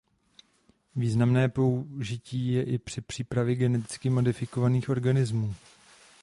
Významné použití je i při přípravě geneticky modifikovaných organismů.